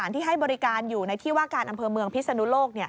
ที่ให้บริการอยู่ในที่ว่าการอำเภอเมืองพิศนุโลก